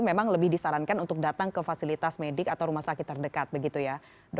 memang lebih disarankan untuk datang ke fasilitas medik atau rumah sakit terdekat begitu ya